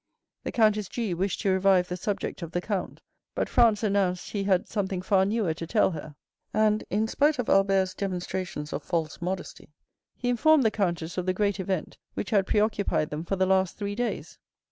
The Countess G—— wished to revive the subject of the count, but Franz announced he had something far newer to tell her, and, in spite of Albert's demonstrations of false modesty, he informed the countess of the great event which had preoccupied them for the last three days.